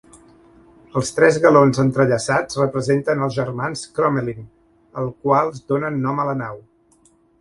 Els tres galons entrellaçats representen els germans Crommelin els quals donen nom a la nau.